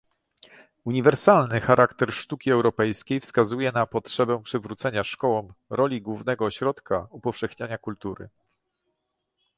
Uniwersalny charakter sztuki europejskiej wskazuje na potrzebę przywrócenia szkołom roli głównego ośrodka upowszechniania kultury